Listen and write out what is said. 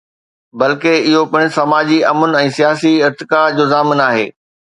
بلڪه، اهو پڻ سماجي امن ۽ سياسي ارتقاء جو ضامن آهي.